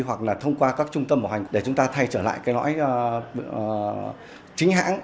hoặc là thông qua các trung tâm bảo hành để chúng ta thay trở lại cái lõi chính hãng